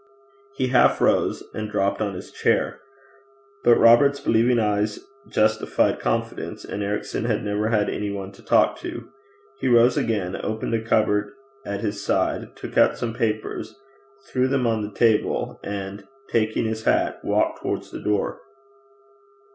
He half rose, then dropped on his chair. But Robert's believing eyes justified confidence, and Ericson had never had any one to talk to. He rose again, opened a cupboard at his side, took out some papers, threw them on the table, and, taking his hat, walked towards the door.